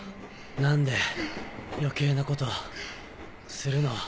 何で余計なことするの？